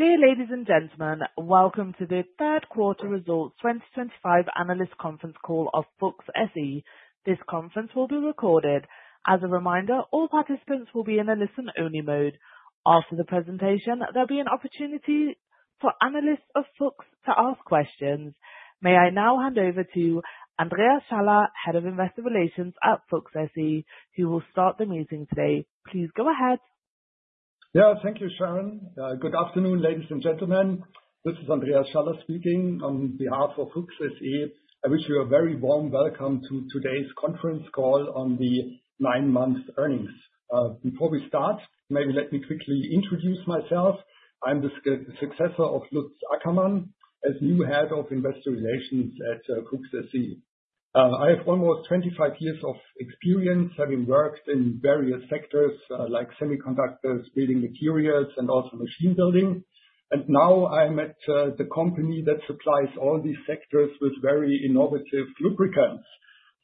Dear ladies and gentlemen, welcome to the third quarter results 2025 analyst conference call of Fortescue. This conference will be recorded. As a reminder, all participants will be in a listen-only mode. After the presentation, there'll be an opportunity for analysts of Fortescue to ask questions. May I now hand over to Andreas Schaller, Head of Investor Relations at Fortescue, who will start the meeting today. Please go ahead. Yeah, thank you, Sharon. Good afternoon, ladies and gentlemen. This is Andreas Schaller speaking on behalf of Fortescue. I wish you a very warm welcome to today's conference call on the nine-month earnings. Before we start, maybe let me quickly introduce myself. I'm the successor of Lutz Ackermann as new Head of Investor Relations at Fortescue. I have almost 25 years of experience having worked in various sectors like semiconductors, building materials, and also machine building. Now I'm at the company that supplies all these sectors with very innovative lubricants.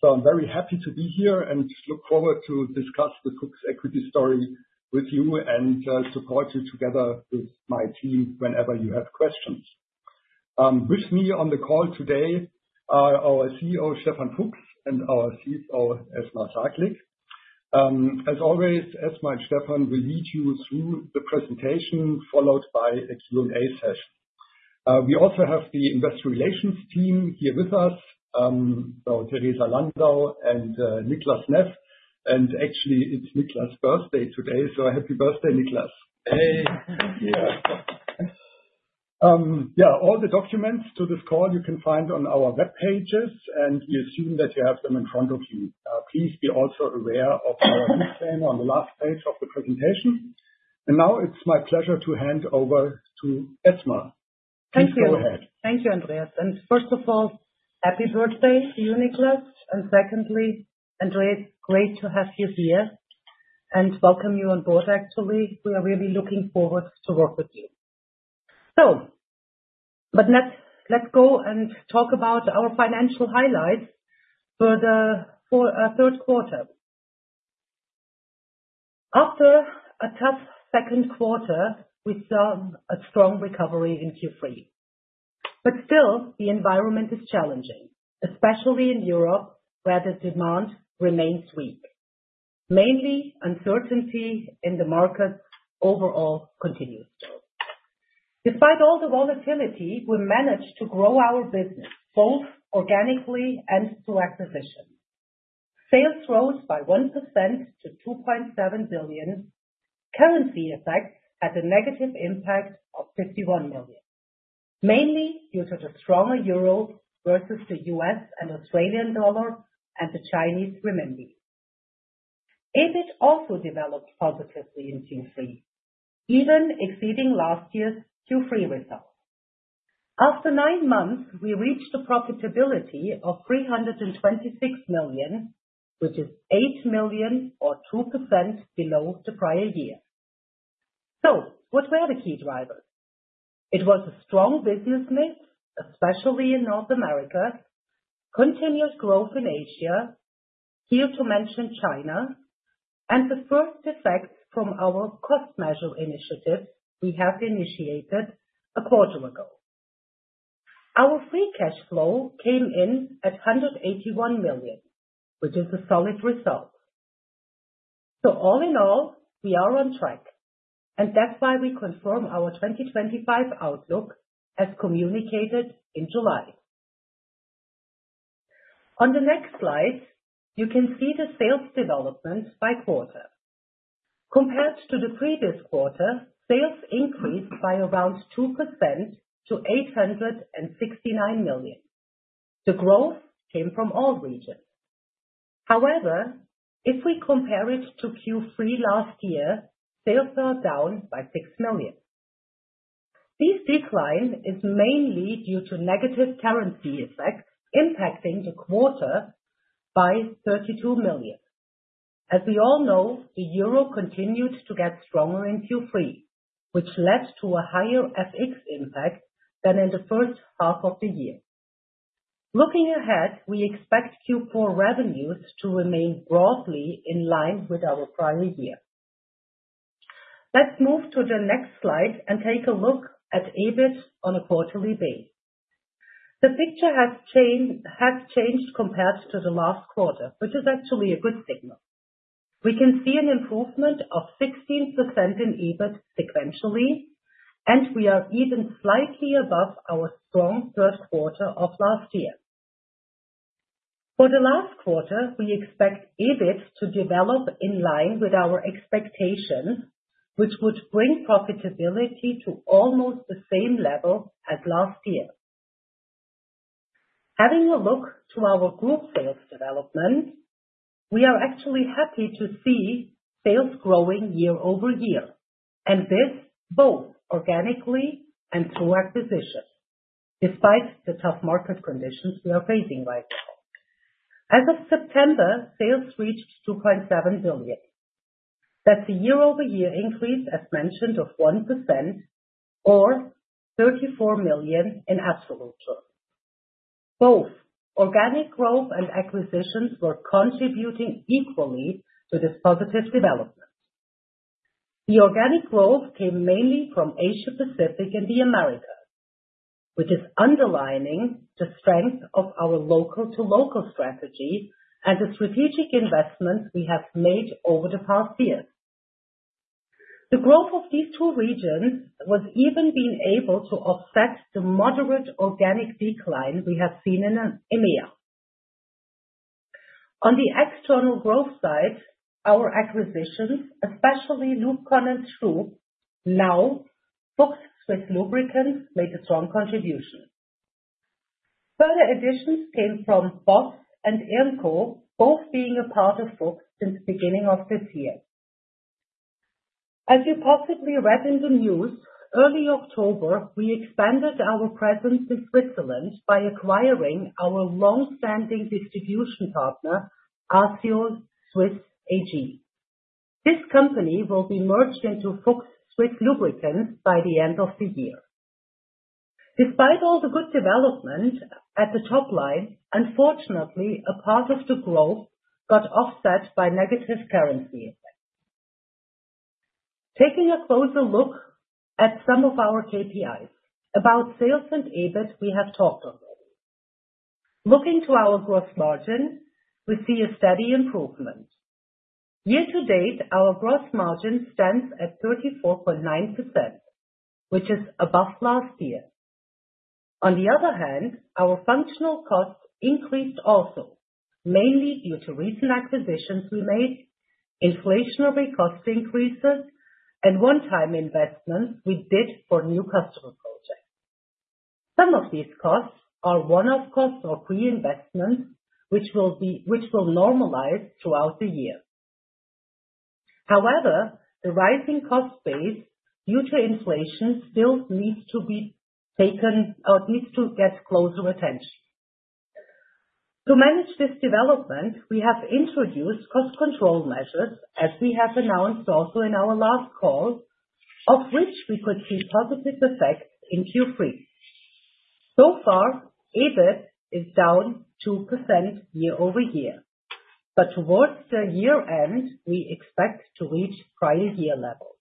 I'm very happy to be here and look forward to discuss the Fortescue equity story with you and support you together with my team whenever you have questions. With me on the call today are our CEO, Stefan Fuchs, and our CFO, Esma Saglik. As always, Esma and Stefan will lead you through the presentation followed by a Q&A session. We also have the investor relations team here with us, Theresa Landau and Niklas Neff. Actually, it's Niklas' birthday today, so happy birthday, Niklas. Hey. Yeah. Yeah, all the documents to this call you can find on our web pages, and we assume that you have them in front of you. Please be also aware of our disclaimer on the last page of the presentation. Now it's my pleasure to hand over to Esma. Thank you. Please go ahead. Thank you, Andreas. First of all, happy birthday to you, Niklas. Secondly, Andreas, great to have you here and welcome you on board, actually. We are really looking forward to work with you. Let's go and talk about our financial highlights for the third quarter. After a tough second quarter, we saw a strong recovery in Q3. Still, the environment is challenging, especially in Europe where the demand remains weak. Mainly, uncertainty in the markets overall continues still. Despite all the volatility, we managed to grow our business both organically and through acquisitions. Sales rose by 1% to 2.7 billion. Currency effects had a negative impact of 51 million, mainly due to the stronger euro versus the US dollar, Australian dollar, and the Chinese renminbi. EBIT also developed positively in Q3, even exceeding last year's Q3 results. After nine months, we reached a profitability of 326 million, which is 8 million or 2% below the prior year. What were the key drivers? It was a strong business mix, especially in North America. Continued growth in Asia. Here to mention China, and the first effects from our cost measure initiative we have initiated a quarter ago. Our free cash flow came in at 181 million, which is a solid result. All in all, we are on track, and that is why we confirm our 2025 outlook as communicated in July. On the next slide, you can see the sales development by quarter. Compared to the previous quarter, sales increased by around 2% to 869 million. The growth came from all regions. However, if we compare it to Q3 last year, sales are down by 6 million. This decline is mainly due to negative currency effects impacting the quarter by 32 million. As we all know, the euro continued to get stronger in Q3, which led to a higher FX impact than in the first half of the year. Looking ahead, we expect Q4 revenues to remain broadly in line with our prior year. Let's move to the next slide and take a look at EBIT on a quarterly basis. The picture has changed compared to the last quarter, which is actually a good signal. We can see an improvement of 16% in EBIT sequentially, and we are even slightly above our strong third quarter of last year. For the last quarter, we expect EBIT to develop in line with our expectations, which would bring profitability to almost the same level as last year. Having a look to our group sales development. We are actually happy to see sales growing year-over-year, and this both organically and through acquisitions, despite the tough market conditions we are facing right now. As of September, sales reached 2.7 billion. That is a year-over-year increase, as mentioned, of 1% or 34 million in absolute terms. Both organic growth and acquisitions were contributing equally to this positive development. The organic growth came mainly from Asia-Pacific and the Americas, which is underlining the strength of our local-to-local strategy and the strategic investments we have made over the past year. The growth of these two regions was even able to offset the moderate organic decline we have seen in EMEA. On the external growth side, our acquisitions, especially LUBCON and STRUB, now SWISS LUBRICANTS, made a strong contribution. Further additions came from Bots and Ionco, both being a part of SWISS LUBRICANTS since the beginning of this year. As you possibly read in the news, early October, we expanded our presence in Switzerland by acquiring our long-standing distribution partner, Arceo Swiss AG. This company will be merged into SWISS LUBRICANTS by the end of the year. Despite all the good development at the top line, unfortunately, a part of the growth got offset by negative currency effects. Taking a closer look at some of our KPIs, about sales and EBIT, we have talked already. Looking to our gross margin, we see a steady improvement. Year to date, our gross margin stands at 34.9%, which is above last year. On the other hand, our functional costs increased also, mainly due to recent acquisitions we made, inflationary cost increases, and one-time investments we did for new customer projects. Some of these costs are one-off costs or pre-investments, which will normalize throughout the year. However, the rising cost base due to inflation still needs to be taken or needs to get closer attention. To manage this development, we have introduced cost control measures, as we have announced also in our last call. Of which we could see positive effects in Q3. So far, EBIT is down 2% year-over-year, but towards the year-end, we expect to reach prior-year levels.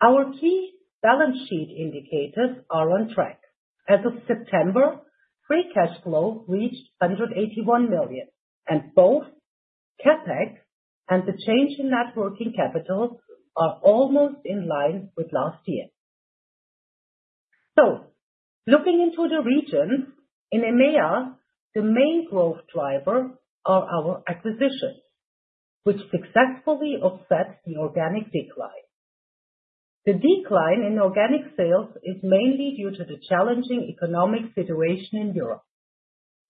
Our key balance sheet indicators are on track. As of September. Free cash flow reached 181 million, and both CapEx and the change in net operating working capital are almost in line with last year. Looking into the regions, in EMEA, the main growth driver are our acquisitions, which successfully offset the organic decline. The decline in organic sales is mainly due to the challenging economic situation in Europe,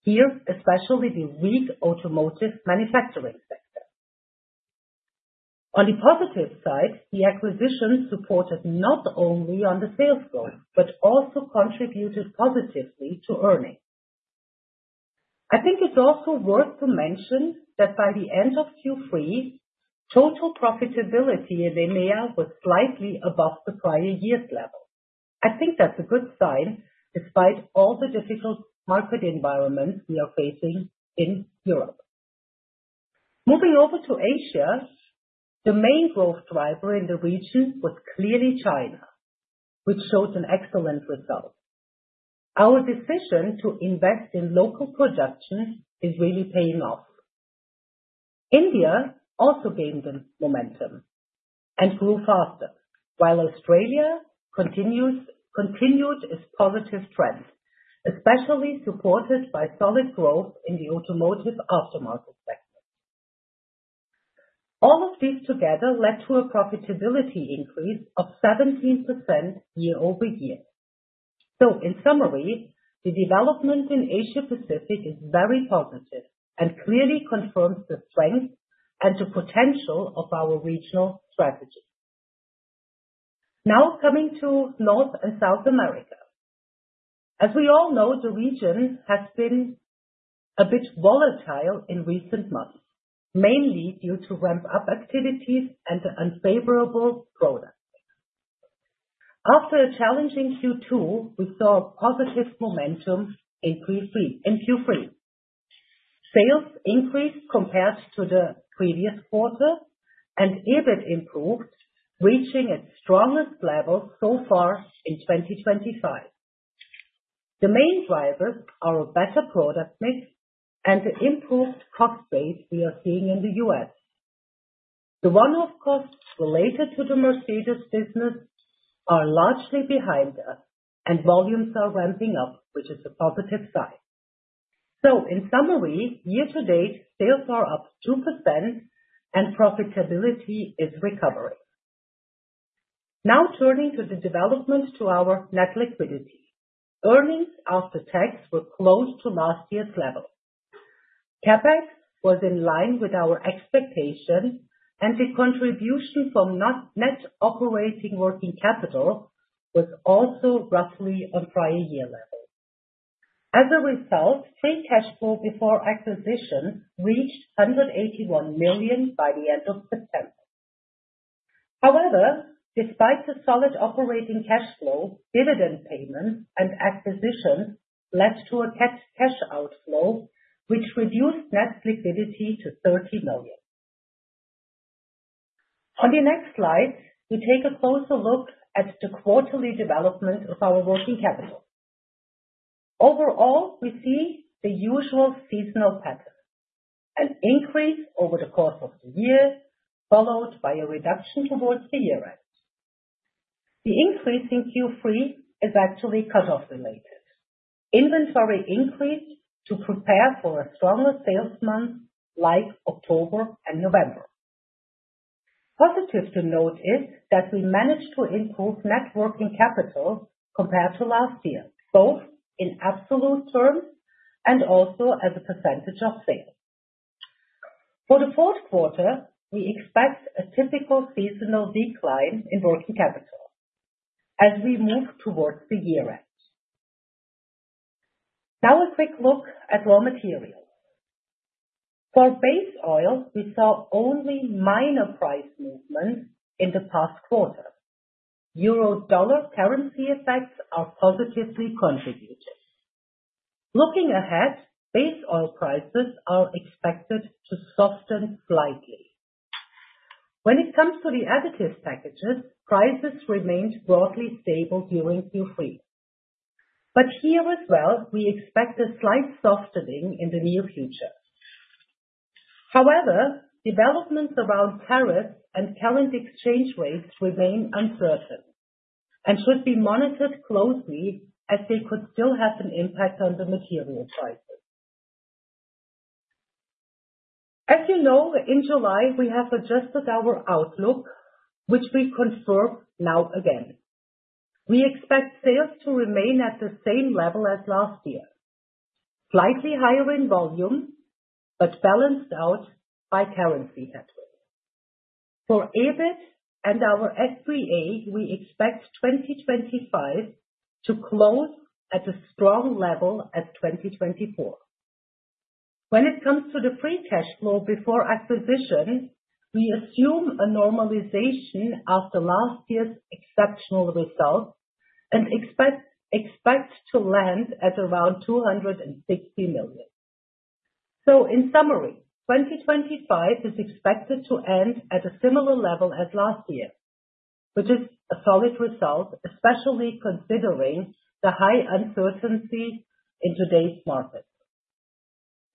here especially the weak automotive manufacturing sector. On the positive side, the acquisitions supported not only the sales growth but also contributed positively to earnings. I think it's also worth to mention that by the end of Q3, total profitability in EMEA was slightly above the prior-year level. I think that's a good sign despite all the difficult market environments we are facing in Europe. Moving over to Asia, the main growth driver in the region was clearly China, which showed an excellent result. Our decision to invest in local production is really paying off. India also gained momentum and grew faster, while Australia continued its positive trend, especially supported by solid growth in the automotive aftermarket segment. All of these together led to a profitability increase of 17% year-over-year. In summary, the development in Asia-Pacific is very positive and clearly confirms the strength and the potential of our regional strategy. Now coming to North and South America. As we all know, the region has been a bit volatile in recent months, mainly due to ramp-up activities and unfavorable products. After a challenging Q2, we saw positive momentum in Q3. Sales increased compared to the previous quarter, and EBIT improved, reaching its strongest level so far in 2025. The main drivers are a better product mix and the improved cost base we are seeing in the U.S. The one-off costs related to the Mercedes business are largely behind us, and volumes are ramping up, which is a positive sign. In summary, year to date, sales are up 2%, and profitability is recovering. Now turning to the development of our net liquidity. Earnings after tax were close to last year's level. CapEx was in line with our expectations, and the contribution from net operating working capital was also roughly on prior-year levels. As a result, free cash flow before acquisition reached 181 million by the end of September. However, despite the solid operating cash flow, dividend payments and acquisitions led to a cash outflow, which reduced net liquidity to 30 million. On the next slide, we take a closer look at the quarterly development of our working capital. Overall, we see the usual seasonal pattern: an increase over the course of the year, followed by a reduction towards the year-end. The increase in Q3 is actually cut-off related. Inventory increased to prepare for a stronger sales month like October and November. Positive to note is that we managed to improve net working capital compared to last year, both in absolute terms and also as a percentage of sales. For the fourth quarter, we expect a typical seasonal decline in working capital as we move towards the year-end. Now a quick look at raw materials. For base-oil, we saw only minor price movements in the past quarter. Euro/dollar currency effects are positively contributing. Looking ahead, base-oil prices are expected to soften slightly. When it comes to the additive packages, prices remained broadly stable during Q3. Here as well, we expect a slight softening in the near future. However, developments around tariffs and current exchange rates remain uncertain and should be monitored closely, as they could still have an impact on the material prices. As you know, in July, we have adjusted our outlook, which we confirm now again. We expect sales to remain at the same level as last year, slightly higher in volume, but balanced out by currency headway. For EBIT and our F3A, we expect 2025 to close at a strong level as 2024. When it comes to the free cash flow before acquisition, we assume a normalization after last year's exceptional results and expect to land at around 260 million. In summary, 2025 is expected to end at a similar level as last year, which is a solid result, especially considering the high uncertainty in today's market.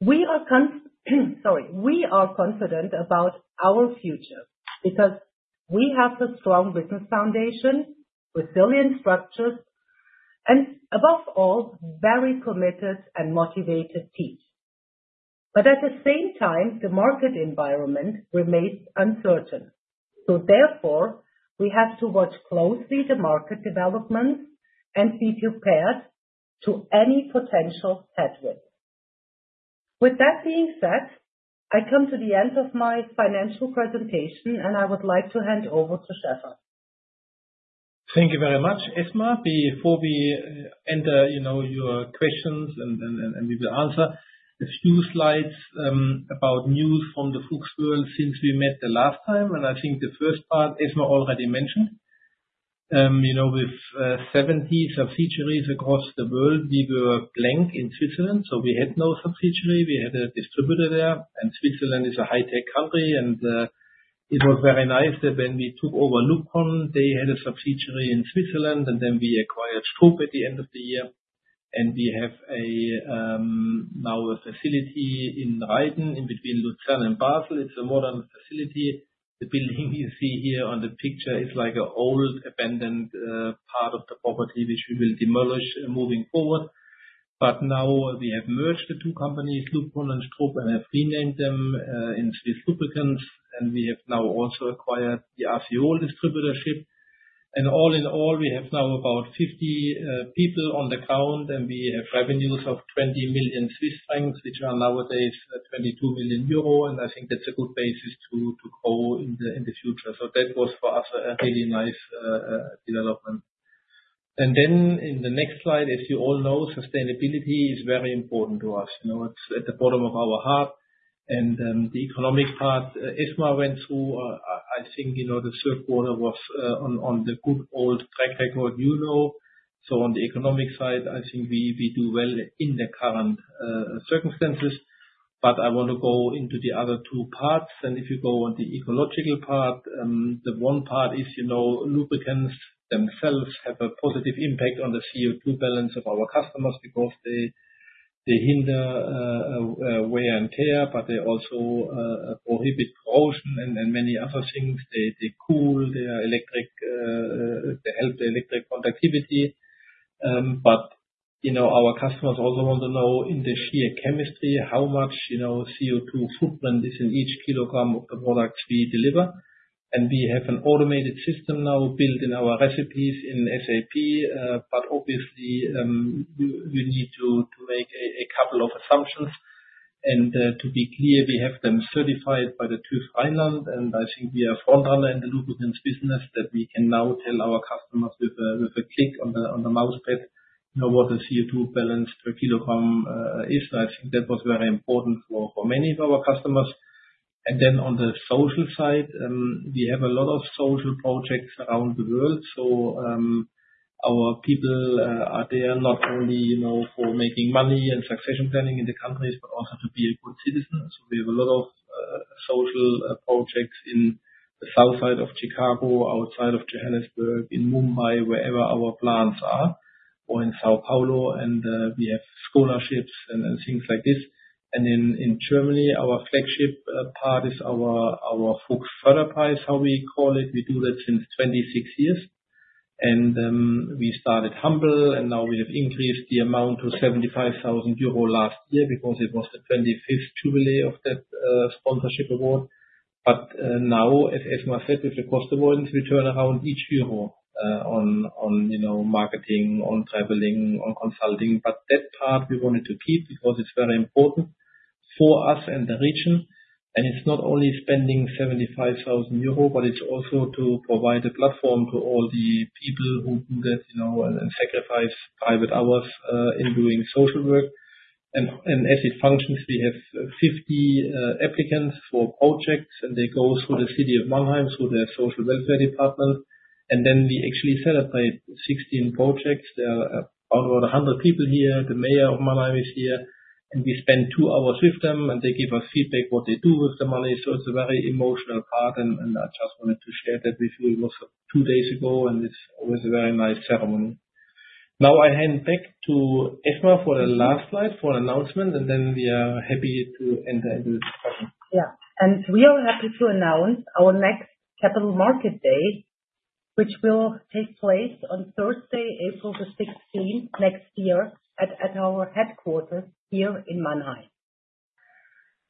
We are confident about our future because we have a strong business foundation, resilient structures, and above all, a very committed and motivated team. At the same time, the market environment remains uncertain. Therefore, we have to watch closely the market developments and be prepared for any potential headwinds. With that being said, I come to the end of my financial presentation, and I would like to hand over to Stefan. Thank you very much, Esma. Before we enter your questions and we will answer, a few slides about news from the FUCHS world since we met the last time. I think the first part, Esma already mentioned. With 70 subsidiaries across the world, we were blank in Switzerland. We had no subsidiary. We had a distributor there. Switzerland is a high-tech country. It was very nice that when we took over LUBCON, they had a subsidiary in Switzerland. Then we acquired STRUB at the end of the year. We have now a facility in Reiden in between Lucerne and Basel. It's a modern facility. The building you see here on the picture is like an old abandoned part of the property, which we will demolish moving forward. Now we have merged the two companies, LUBCON and STRUB, and have renamed them SWISS LUBRICANTS. We have now also acquired the Arceo distributorship. All in all, we have now about 50 people on the account. We have revenues of 20 million Swiss francs, which are nowadays 22 million euro. I think that's a good basis to grow in the future. That was, for us, a really nice development. In the next slide, as you all know, sustainability is very important to us. It's at the bottom of our heart. The economic part, Esma went through. I think the third quarter was on the good old track record, you know. On the economic side, I think we do well in the current circumstances. I want to go into the other two parts. If you go on the ecological part, the one part is lubricants themselves have a positive impact on the CO₂ balance of our customers because they hinder wear and tear, but they also prohibit corrosion and many other things. They cool the electric. They help the electric conductivity. Our customers also want to know, in the sheer chemistry, how much CO₂ footprint is in each kg of the products we deliver. We have an automated system now built in our recipes in SAP. Obviously, we need to make a couple of assumptions. To be clear, we have them certified by TÜV Rheinland. I think we are a frontrunner in the lubricants business that we can now tell our customers with a click on the mousepad what the CO₂ balance per kg is. I think that was very important for many of our customers. On the social side, we have a lot of social projects around the world. Our people are there not only for making money and succession planning in the countries, but also to be a good citizen. We have a lot of social projects in the South Side of Chicago, outside of Johannesburg, in Mumbai, wherever our plants are, or in São Paulo. We have scholarships and things like this. In Germany, our flagship part is our FUCHS Föderpreis, how we call it. We do that since 26 years. We started humble. Now we have increased the amount to 75,000 euro last year because it was the 25th jubilee of that sponsorship award. Now, as Esma said, with the cost avoidance, we turn around each Euro on marketing, on traveling, on consulting. That part, we wanted to keep because it's very important for us and the region. It's not only spending 75,000 euro, but it's also to provide a platform to all the people who do that and sacrifice private hours in doing social work. As it functions, we have 50 applicants for projects. They go through the city of Mannheim, through their Social Welfare Department. We actually celebrate 16 projects. There are about 100 people here. The mayor of Mannheim is here. We spend two hours with them. They give us feedback on what they do with the money. It's a very emotional part. I just wanted to share that with you. It was two days ago. It's always a very nice ceremony. I hand back to Esma for the last slide for an announcement. We are happy to enter into the discussion. Yeah. We are happy to announce our next Capital Market Day, which will take place on Thursday, April the 16th, next year at our headquarters here in Mannheim.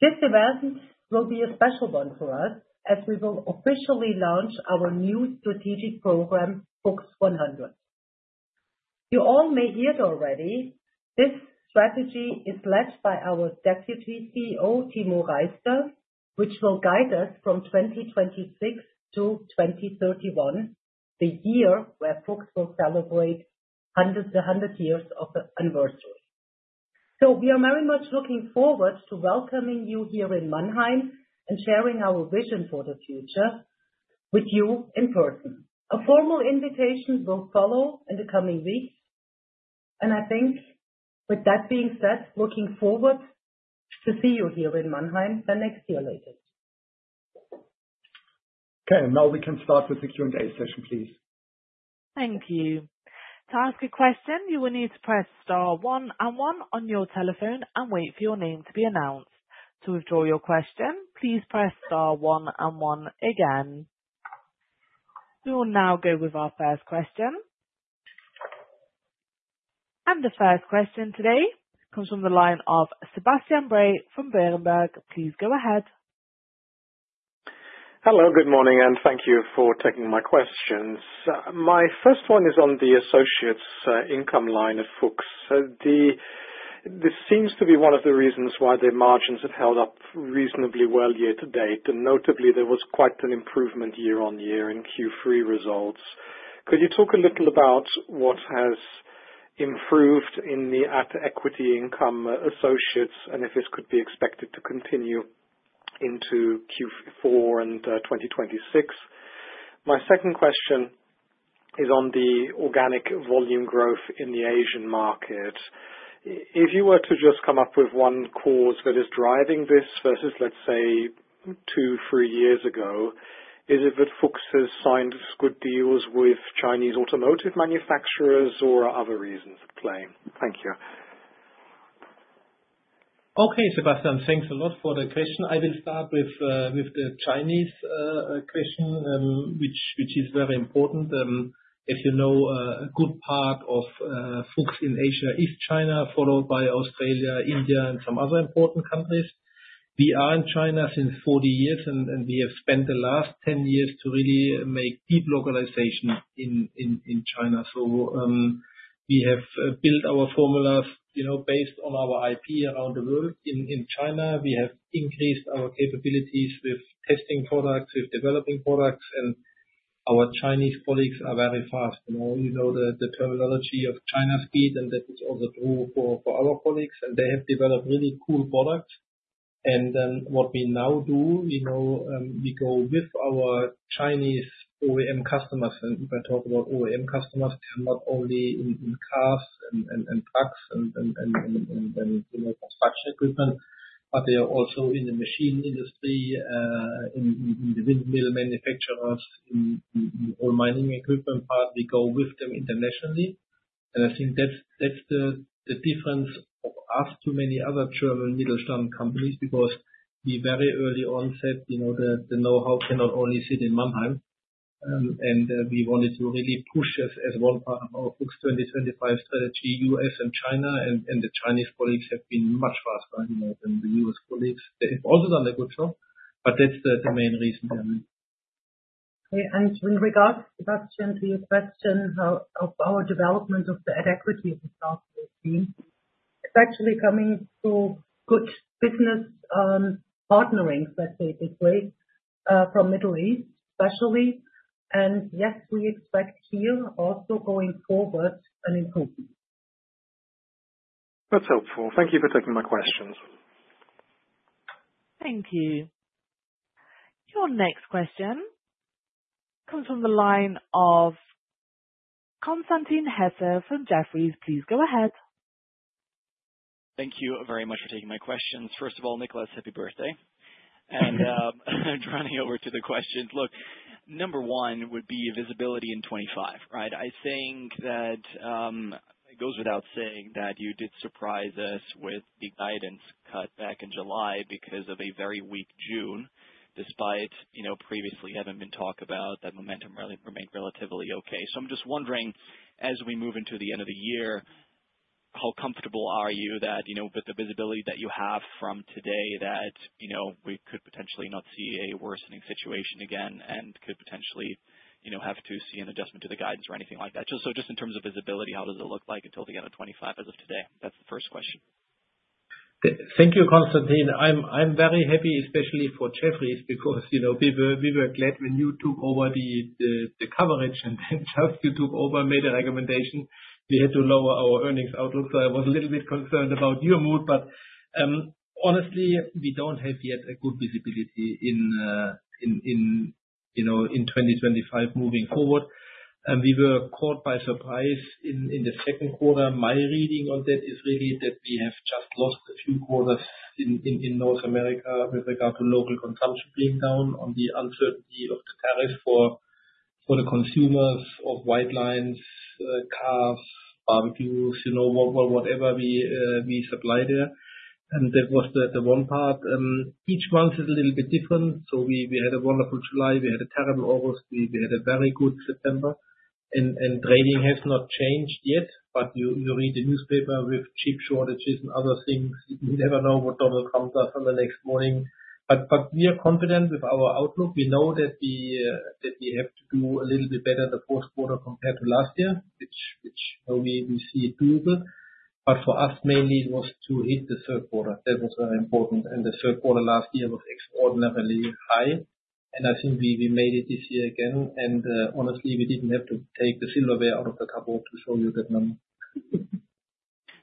This event will be a special one for us as we will officially launch our new strategic program, FUCHS 100. You all may hear it already. This strategy is led by our Deputy CEO, Timo Reister, which will guide us from 2026-2031, the year where FUCHS will celebrate 100 years of anniversary. We are very much looking forward to welcoming you here in Mannheim and sharing our vision for the future with you in person. A formal invitation will follow in the coming weeks. I think, with that being said, looking forward to see you here in Mannheim the next year later. Okay. Now we can start with the Q&A session, please. Thank you. To ask a question, you will need to press star one and one on your telephone and wait for your name to be announced. To withdraw your question, please press star one and one again. We will now go with our first question. The first question today comes from the line of Sebastian Bray from Berenberg. Please go ahead. Hello. Good morning. Thank you for taking my questions. My first one is on the associates' income line at FUCHS. This seems to be one of the reasons why their margins have held up reasonably well year to date. Notably, there was quite an improvement year-on year in Q3 results. Could you talk a little about what has improved in the equity income associates and if this could be expected to continue into Q4 and 2026? My second question is on the organic volume growth in the Asian market. If you were to just come up with one cause that is driving this versus, let's say, two, three years ago, is it that FUCHS has signed good deals with Chinese automotive manufacturers or are other reasons at play? Thank you. Okay, Sebastian, thanks a lot for the question. I will start with the Chinese question, which is very important. As you know, a good part of FUCHS in Asia is China, followed by Australia, India, and some other important countries. We are in China since 40 years. We have spent the last 10 years to really make deep localization in China. We have built our formulas based on our IP around the world. In China, we have increased our capabilities with testing products, with developing products. Our Chinese colleagues are very fast. You know the terminology of China speed. That is also true for our colleagues. They have developed really cool products. What we now do, we go with our Chinese OEM customers. If I talk about OEM customers, they are not only in cars and trucks and construction equipment, but they are also in the machine industry, in the windmill manufacturers, in all mining equipment part. We go with them internationally. I think that's the difference of us to many other German Mittelstand companies because we very early on said the know-how cannot only sit in Mannheim. We wanted to really push as one part of our FUCHS 2025 Strategy, U.S. and China. The Chinese colleagues have been much faster than the U.S. colleagues. They have also done a good job. That's the main reason. In regards, Sebastian, to your question of our development of the equity in South Asia, it's actually coming through good business partnerings, let's say it this way, from Middle East especially. Yes, we expect here also going forward an improvement. That's helpful. Thank you for taking my questions. Thank you. Your next question comes from the line of Constantine Heffer from Jefferies. Please go ahead. Thank you very much for taking my questions. First of all, Nicholas, happy birthday. Turning over to the questions. Look, number one would be visibility in 2025, right? I think that it goes without saying that you did surprise us with the guidance cut back in July because of a very weak June, despite previously having been talked about that momentum remained relatively okay. I am just wondering, as we move into the end of the year, how comfortable are you with the visibility that you have from today that we could potentially not see a worsening situation again and could potentially have to see an adjustment to the guidance or anything like that? Just in terms of visibility, how does it look like until the end of 2025 as of today? That is the first question. Thank you, Constantine. I am very happy, especially for Jefferies, because we were glad when you took over the coverage and just you took over, made a recommendation. We had to lower our earnings outlook. I was a little bit concerned about your mood. Honestly, we do not have yet a good visibility in 2025 moving forward. We were caught by surprise in the second quarter. My reading on that is really that we have just lost a few quarters in North America with regard to local consumption being down on the uncertainty of the tariffs for the consumers of white lines. Cars, barbecues, whatever we supply there. That was the one part. Each month is a little bit different. We had a wonderful July. We had a terrible August. We had a very good September. Trading has not changed yet. You read the newspaper with chip shortages and other things. You never know what Donald Trump does on the next morning. We are confident with our outlook. We know that we have to do a little bit better in the fourth quarter compared to last year, which we see it does it. For us, mainly, it was to hit the third quarter. That was very important. The third quarter last year was extraordinarily high. I think we made it this year again. Honestly, we did not have to take the silverware out of the cupboard to show you that number.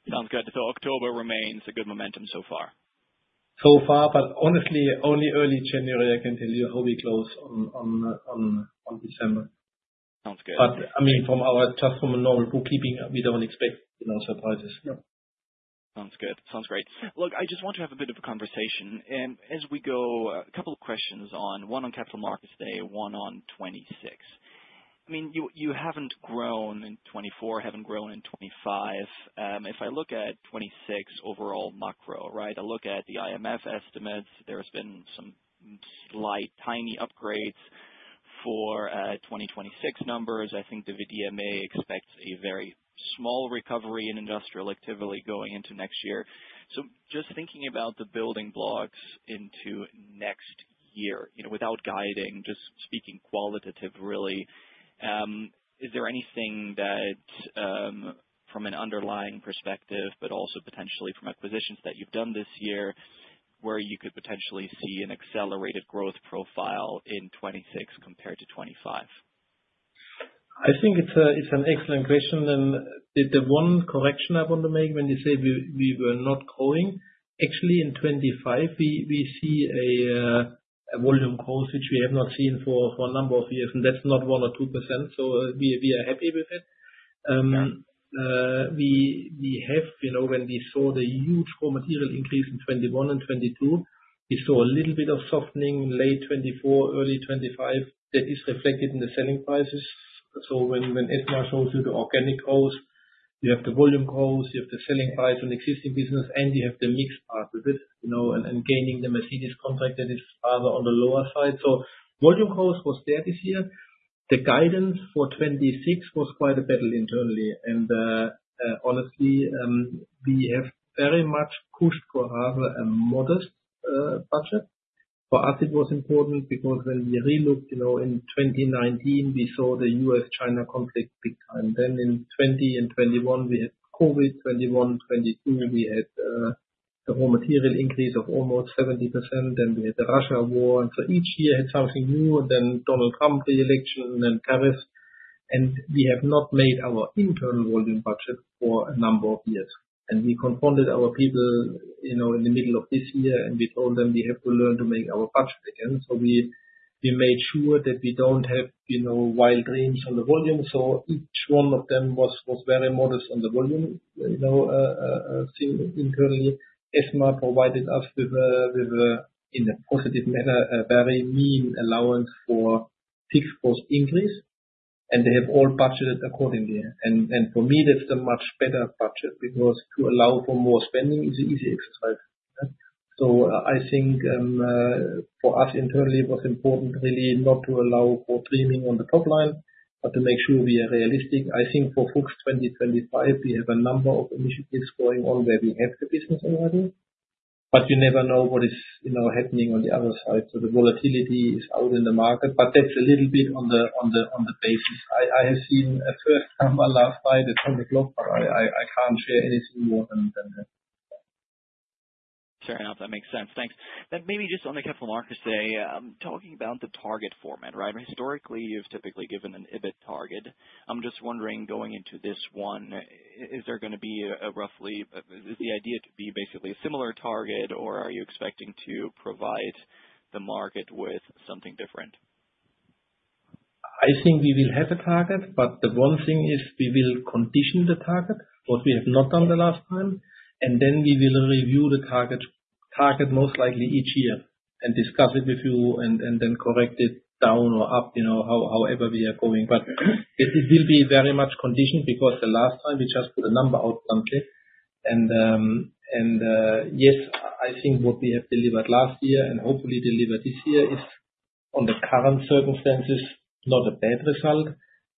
Sounds good. October remains a good momentum so far. So far. Honestly, only early January, I can tell you how we close on December. Sounds good. I mean, just from a normal bookkeeping, we do not expect surprises. No. Sounds good. Sounds great. Look, I just want to have a bit of a conversation. As we go, a couple of questions on one on Capital Markets Day, one on 2026. I mean, you have not grown in 2024, have not grown in 2025. If I look at 2026 overall macro, right, I look at the IMF estimates, there have been some slight, tiny upgrades for 2026 numbers. I think the VDMA expects a very small recovery in industrial activity going into next year. Just thinking about the building blocks into next year, without guiding, just speaking qualitative, really, is there anything that, from an underlying perspective, but also potentially from acquisitions that you've done this year, where you could potentially see an accelerated growth profile in 2026 compared to 2025? I think it's an excellent question. The one correction I want to make when you say we were not growing, actually, in 2025, we see a volume growth which we have not seen for a number of years. That's not 1% or 2%, so we are happy with it. When we saw the huge raw material increase in 2021 and 2022, we saw a little bit of softening in late 2024, early 2025. That is reflected in the selling prices. When Esma shows you the organic growth, you have the volume growth, you have the selling price on existing business, and you have the mixed part of it. Gaining the Mercedes contract, that is rather on the lower side. Volume growth was there this year. The guidance for 2026 was quite a battle internally. Honestly, we have very much pushed for rather a modest budget. For us, it was important because when we relooked in 2019, we saw the U.S.-China conflict peak time. In 2020 and 2021, we had COVID. 2021, 2022, we had a raw material increase of almost 70%. Then we had the Russia war. Each year had something new. Then Donald Trump, the election, and then tariffs. We have not made our internal volume budget for a number of years. We confronted our people in the middle of this year. We told them we have to learn to make our budget again. We made sure that we don't have wild dreams on the volume. Each one of them was very modest on the volume. Internally, Esma provided us with, in a positive manner, a very mean allowance for fixed-cost increase. They have all budgeted accordingly. For me, that's a much better budget because to allow for more spending is an easy exercise. I think for us internally, it was important really not to allow for dreaming on the top line, but to make sure we are realistic. I think for FUCHS 2025, we have a number of initiatives going on where we have the business already. You never know what is happening on the other side. The volatility is out in the market. That's a little bit on the basis. I have seen a first number last night [from the club], but I can't share anything more than that. Fair enough. That makes sense. Thanks. Maybe just on the Capital Markets Day, talking about the target format, right? Historically, you've typically given an EBIT target. I'm just wondering, going into this one, is there going to be a roughly, is the idea to be basically a similar target, or are you expecting to provide the market with something different? I think we will have a target. The one thing is we will condition the target, what we have not done the last time. We will review the target most likely each year and discuss it with you and then correct it down or up, however we are going. It will be very much conditioned because the last time we just put a number out bluntly. Yes, I think what we have delivered last year and hopefully deliver this year is, on the current circumstances, not a bad result.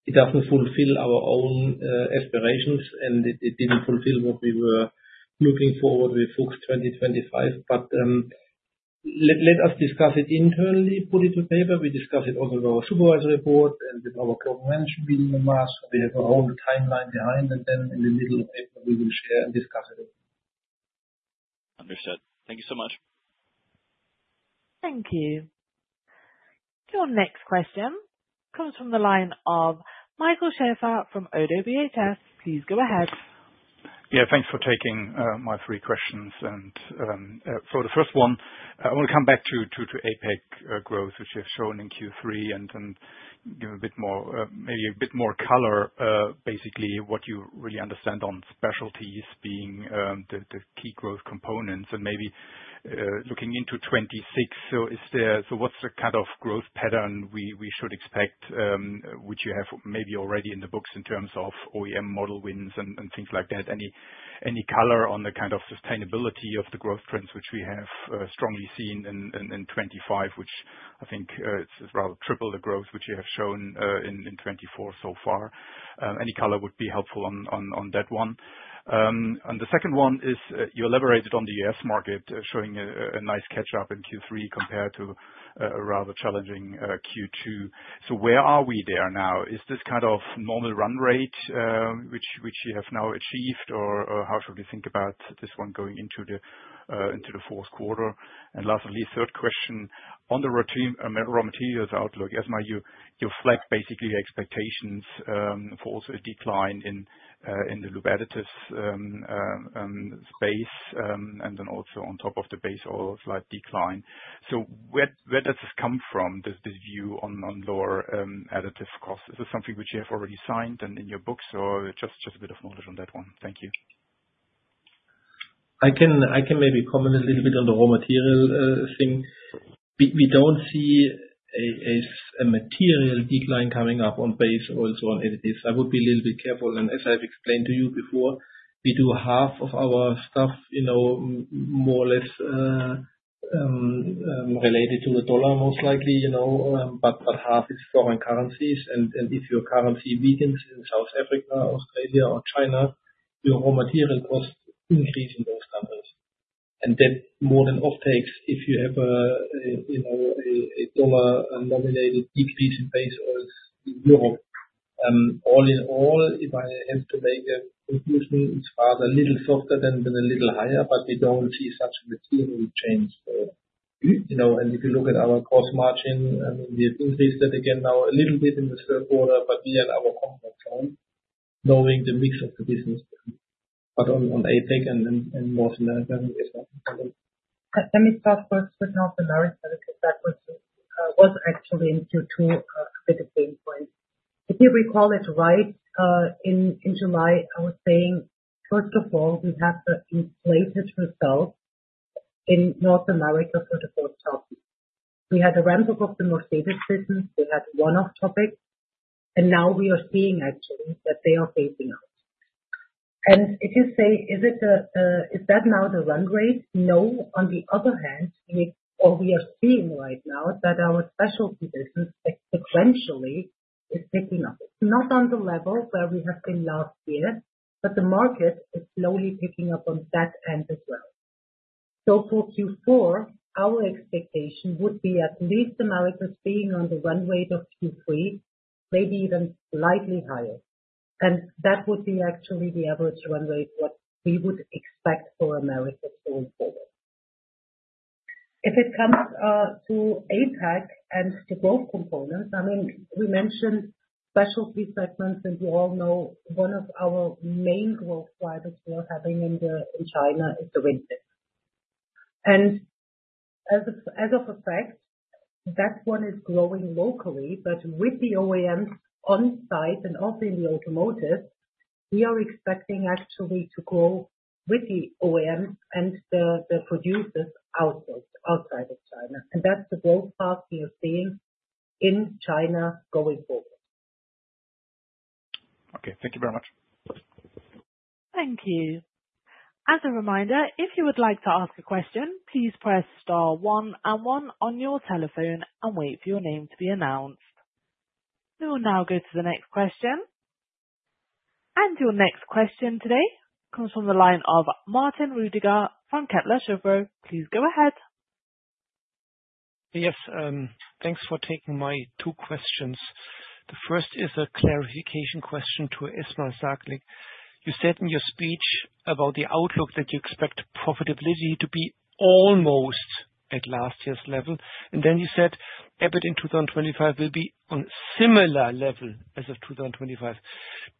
It does not fulfill our own aspirations. It did not fulfill what we were looking for with FUCHS 2025. Let us discuss it internally, put it on paper. We discuss it also with our supervisory board and with our government. We have our own timeline behind. In the middle of April, we will share and discuss it. Understood. Thank you so much. Thank you. Your next question comes from the line of Michael Schaefer from ODDO BHF. Please go ahead. Yeah. Thanks for taking my three questions. For the first one, I want to come back to APEC growth, which you have shown in Q3 and give a bit more, maybe a bit more color, basically what you really understand on specialties being the key growth components and maybe looking into 2026. What is the kind of growth pattern we should expect, which you have maybe already in the books in terms of OEM model wins and things like that? Any color on the kind of sustainability of the growth trends which we have strongly seen in 2025, which I think is rather triple the growth which you have shown in 2024 so far? Any color would be helpful on that one. The second one is you elaborated on the U.S. market, showing a nice catch-up in Q3 compared to a rather challenging Q2. Where are we there now? Is this kind of normal run rate which you have now achieved, or how should we think about this one going into the fourth quarter? Lastly, third question, on the raw materials outlook, Esma, you flagged basically expectations for also a decline in the loop additives space and then also on top of the base-oil slight decline. Where does this come from, this view on lower additive costs? Is this something which you have already signed and in your books? Or just a bit of knowledge on that one? Thank you. I can maybe comment a little bit on the raw material thing. We do not see a material decline coming up on base-oil and additives. I would be a little bit careful. As I have explained to you before, we do half of our stuff, more or less, related to the dollar, most likely. Half is foreign currencies. If your currency weakens in South Africa, Australia, or China, your raw material costs increase in those countries. That more than offtakes if you have a dollar-denominated decrease in base-oils in Europe. All in all, if I have to make a conclusion, it is rather a little softer than a little higher, but we do not see such a material change. If you look at our cost margin, I mean, we have increased that again now a little bit in the third quarter, but we are in our comfort zone knowing the mix of the business. On APEC and North America, let me start first with North America, because that was actually in Q2 a bit of [basis] points. If you recall it right, in July, I was saying, first of all, we have the inflated result in North America for the fourth top. We had a ramp-up of the Mercedes business. We had one-off topics. Now we are seeing, actually, that they are phasing out. If you say, is that now the run-rate? No. On the other hand, what we are seeing right now is that our specialty business sequentially is picking up. It is not on the level where we have been last year, but the market is slowly picking up on that end as well. For Q4, our expectation would be at least America being on the run rate of Q3, maybe even slightly higher. That would be actually the average run rate we would expect for America going forward. If it comes to APEC and to growth components, I mean, we mentioned specialty segments, and you all know one of our main growth drivers we are having in China is the windmill. As of effect, that one is growing locally. With the OEMs on site and also in the automotive, we are expecting actually to grow with the OEMs and the producers outside of China. That is the growth path we are seeing in China going forward. Okay. Thank you very much. Thank you. As a reminder, if you would like to ask a question, please press star one and one on your telephone and wait for your name to be announced. We will now go to the next question. Your next question today comes from the line of Martin Rüdiger from Kettler Schiffer. Please go ahead. Yes. Thanks for taking my two questions. The first is a clarification question to Esma Saglik. You said in your speech about the outlook that you expect profitability to be almost at last year's level. Then you said EBIT in 2025 will be on a similar level as of [2024].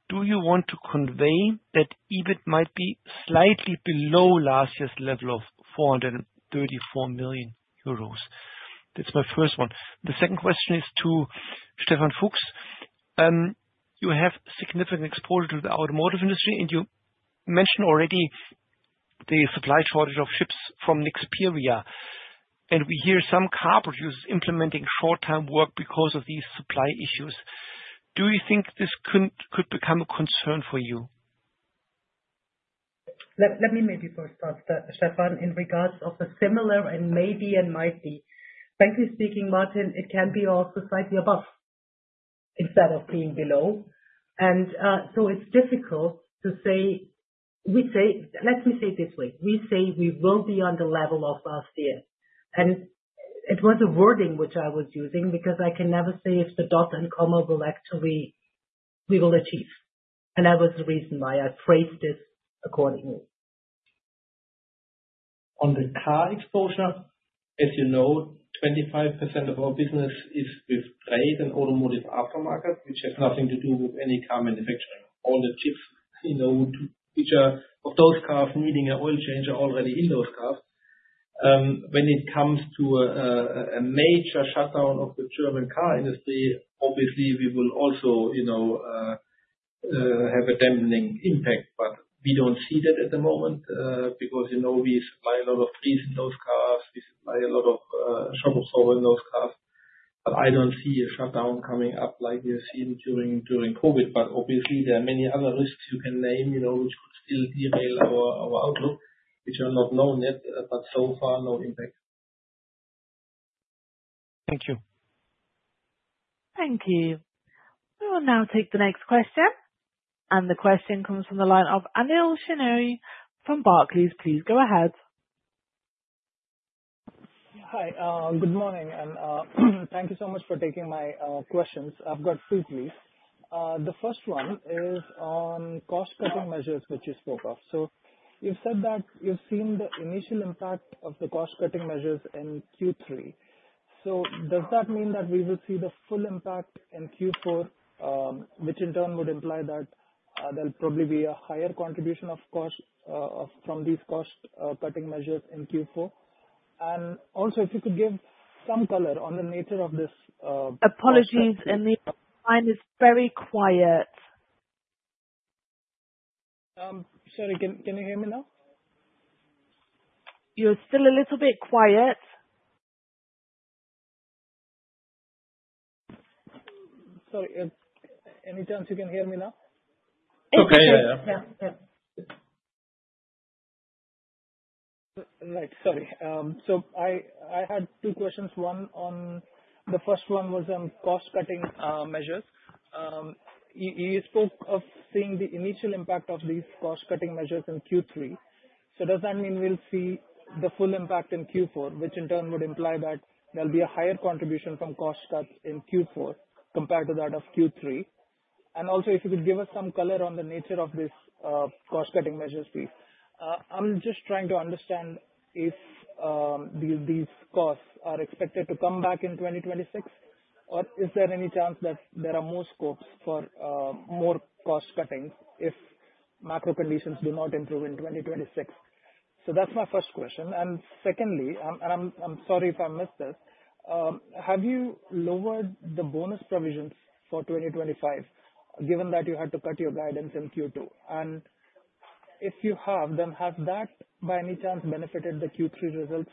Do you want to convey that EBIT might be slightly below last year's level of 434 million euros? That's my first one. The second question is to Stefan Fuchs. You have significant exposure to the automotive industry, and you mentioned already. The supply shortage of chips from Nexperia. And we hear some car producers implementing short-term work because of these supply issues. Do you think this could become a concern for you? Let me maybe first ask that, Stefan, in regards of a similar and maybe and might be. Frankly speaking, Martin, it can be also slightly above. Instead of being below. And so it's difficult to say. Let me say it this way. We say we will be on the level of last year. And it was a wording which I was using because I can never say if the dot and comma will actually. We will achieve. And that was the reason why I phrased this accordingly. On the car exposure, as you know, 25% of our business is with trade and automotive aftermarket, which has nothing to do with any car manufacturing. All the chips which are of those cars needing an oil change are already in those cars. When it comes to a major shutdown of the German car industry, obviously, we will also have a dampening impact. But we do not see that at the moment because we supply a lot of [chips] in those cars. We supply a lot of shovel saw in those cars. But I do not see a shutdown coming up like we have seen during COVID. Obviously, there are many other risks you can name which could still derail our outlook, which are not known yet, but so far no impact. Thank you. Thank you. We will now take the next question. The question comes from the line of Anil Shenoy from Barclays. Please go ahead. Hi. Good morning. Thank you so much for taking my questions. I've got two, please. The first one is on cost-cutting measures which you spoke of. You have said that you have seen the initial impact of the cost-cutting measures in Q3. Does that mean that we will see the full impact in Q4, which in turn would imply that there will probably be a higher contribution, of course, from these cost-cutting measures in Q4? Also, if you could give some color on the nature of this. Apologies. The line is very quiet. Sorry. Can you hear me now? You're still a little bit quiet. Sorry. Any chance you can hear me now? Okay. Yeah. Right. Sorry. I had two questions. One, the first one was on cost-cutting measures. You spoke of seeing the initial impact of these cost-cutting measures in Q3. Does that mean we will see the full impact in Q4, which in turn would imply that there will be a higher contribution from cost cuts in Q4 compared to that of Q3? Also, if you could give us some color on the nature of these cost-cutting measures, please. I'm just trying to understand if these costs are expected to come back in 2026, or is there any chance that there are more scopes for more cost cuttings if macro conditions do not improve in 2026? That's my first question. Secondly, and I'm sorry if I missed this, have you lowered the bonus provisions for 2025, given that you had to cut your guidance in Q2? If you have, then has that, by any chance, benefited the Q3 results?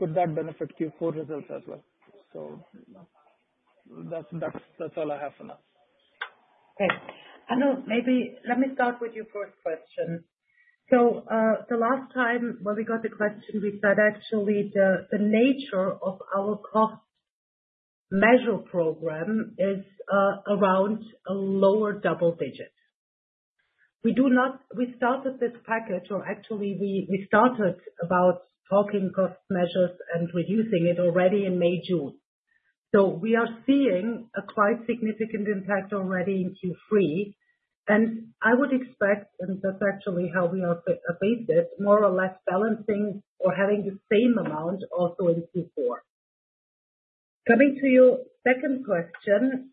Could that benefit Q4 results as well? That's all I have for now. Okay. Anil, maybe let me start with your first question. The last time when we got the question, we said, actually, the nature of our cost measure program is around a lower double digit. We started this package, or actually, we started about talking cost measures and reducing it already in May, June. We are seeing a quite significant impact already in Q3, and I would expect, and that's actually how we are faced with, more or less balancing or having the same amount also in Q4. Coming to your second question,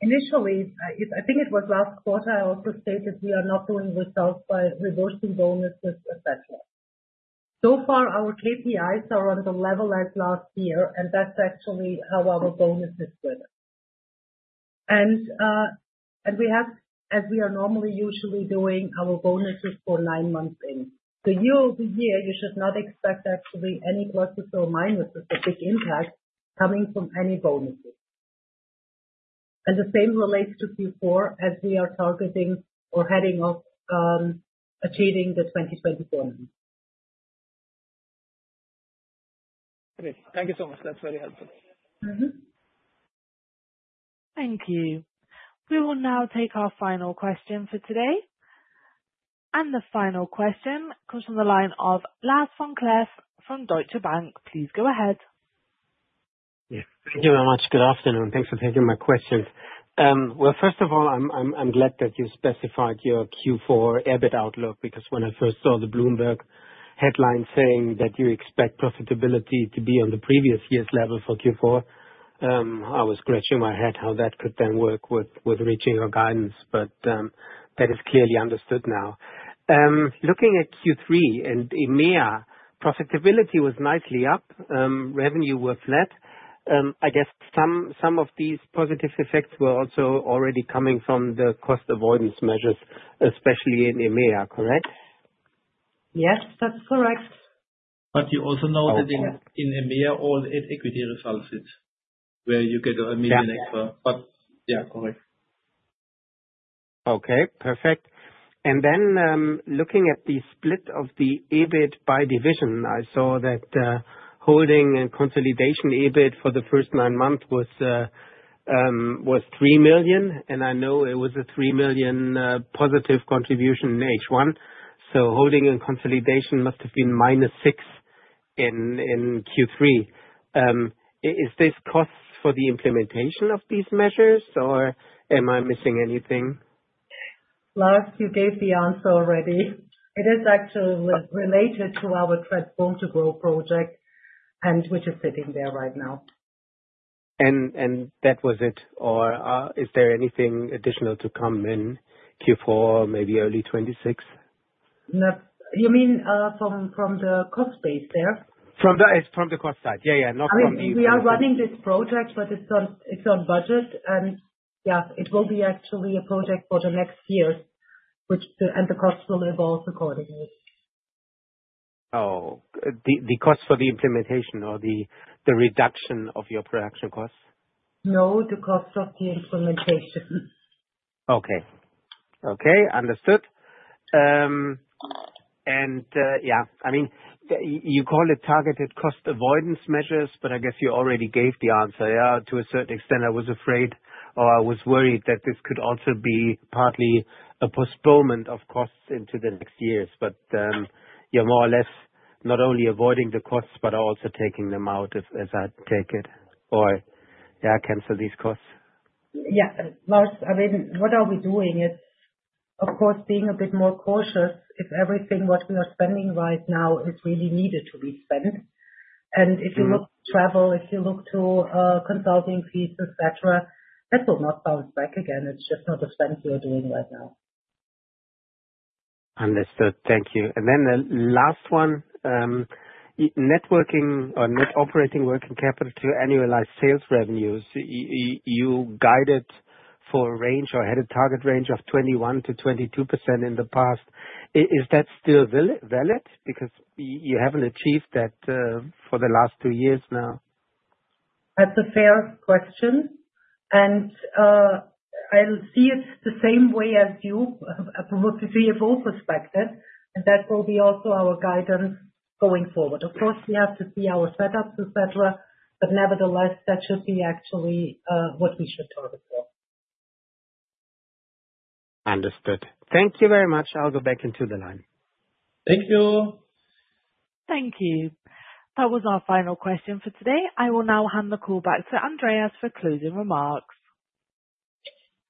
initially, I think it was last quarter, I also stated we are not doing results by reversing bonuses, etc. So far, our KPIs are on the level as last year, and that's actually how our bonuses were. As we are normally usually doing, our bonuses for nine months in. year-over-year, you should not expect actually any pluses or minuses of big impact coming from any bonuses. The same relates to Q4 as we are targeting or heading off achieving the 2024. Thank you so much. That's very helpful. Thank you. We will now take our final question for today. The final question comes from the line of Lars Vom Cleff from Deutsche Bank. Please go ahead. Thank you very much. Good afternoon. Thanks for taking my question. First of all, I'm glad that you specified your Q4 EBIT outlook because when I first saw the Bloomberg headline saying that you expect profitability to be on the previous year's level for Q4, I was scratching my head how that could then work with reaching your guidance, but that is clearly understood now. Looking at Q3 and EMEA, profitability was nicely up. Revenue were flat. I guess some of these positive effects were also already coming from the cost avoidance measures, especially in EMEA, correct? Yes, that's correct. You also know that in EMEA, all equity results it, where you get 1 million extra. Yeah, correct. Okay. Perfect. Then looking at the split of the EBIT by division, I saw that holding and consolidation EBIT for the first nine months was 3 million. I know it was a 3 million positive contribution in H1, so holding and consolidation must have been -6 in Q3. Is this cost for the implementation of these measures, or am I missing anything? Lars, you gave the answer already. It is actually related to our [Trends] Born to Grow project, which is sitting there right now. That was it? Or is there anything additional to come in Q4, maybe early 2026? You mean from the cost base there? From the cost side. Yeah, yeah. Not from the— I mean, we are running this project, but it's on budget. It will be actually a project for the next year, and the cost will evolve accordingly. Oh. The cost for the implementation or the reduction of your production costs? No, the cost of the implementation. Okay. Okay. Understood. You call it targeted cost avoidance measures, but I guess you already gave the answer. Yeah. To a certain extent, I was afraid or I was worried that this could also be partly a postponement of costs into the next years. You're more or less not only avoiding the costs, but also taking them out, as I take it, or yeah, cancel these costs. Yeah. Lars, what are we doing? It's, of course, being a bit more cautious if everything we are spending right now is really needed to be spent. If you look to travel, if you look to consulting fees, etc., that will not bounce back again. It's just not a spend we are doing right now. Understood. Thank you. The last one. Net working or net operating working capital to annualized sales revenues. You guided for a range or had a target range of 21%-22% in the past. Is that still valid? Because you haven't achieved that for the last two years now. That's a fair question. I'll see it the same way as you, probably to your full perspective. That will be also our guidance going forward. Of course, we have to see our setups, etc., but nevertheless, that should be actually what we should target for. Understood. Thank you very much. I'll go back into the line. Thank you. Thank you. That was our final question for today. I will now hand the call back to Andreas for closing remarks.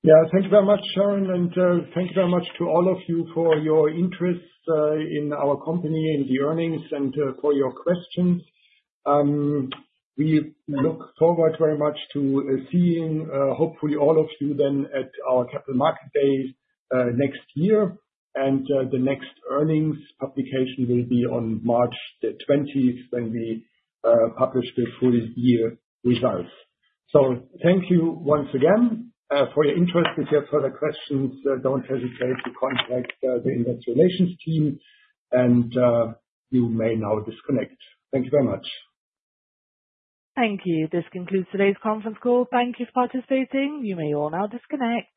Yeah. Thank you very much, Sharon. Thank you very much to all of you for your interest in our company, in the earnings, and for your questions. We look forward very much to seeing, hopefully, all of you then at our Capital Market Day next year. The next earnings publication will be on March 20th, 2026, when we publish the full-year results. Thank you once again for your interest. If you have further questions, don't hesitate to contact the Investor Relations team. You may now disconnect. Thank you very much. Thank you. This concludes today's conference call. Thank you for participating. You may all now disconnect.